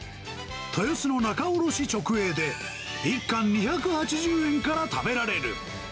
豊洲の仲卸直営で、１貫２８０円から食べられる。